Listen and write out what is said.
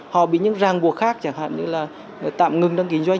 họ bị những ràng buộc khác chẳng hạn như là tạm ngừng đăng kinh doanh